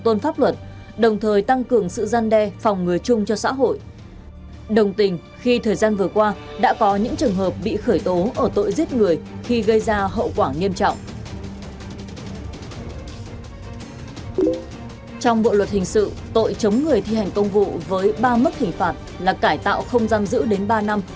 trong bộ luật hình sự tội chống người thi hành công vụ với ba mức hình phạt là cải tạo không giam giữ đến ba năm